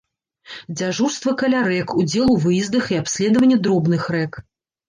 Дзяжурства каля рэк, удзел у выездах і абследаванне дробных рэк.